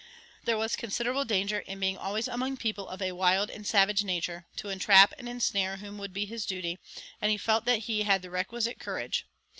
There was considerable danger in being always among people of a wild and savage nature, to entrap and ensnare whom would be his duty, and he felt that he had the requisite courage.